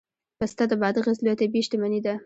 پسته د بادغیس لویه طبیعي شتمني ده